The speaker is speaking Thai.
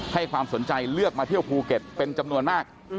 ให้ความสนใจเลือกมาเที่ยวภูเก็ตเป็นจำนวนมาก